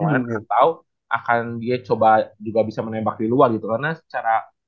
jangan tahu akan dia coba juga bisa menembak di luar gitu karena secara